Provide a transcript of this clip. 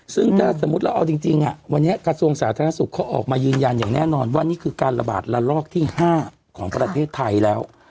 ซึ่งถ้าสมมุติเราเอาจริงวันนี้กระทรวงสาธารณสุขเขาออกมายืนยันอย่างแน่นอนว่านี่คือการระบาดระลอกที่๕ของประเทศไทยแล้ว